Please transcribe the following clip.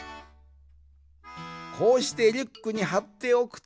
こうしてリュックにはっておくと。